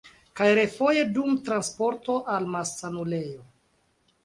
Kaj refoje dum transporto al malsanulejo.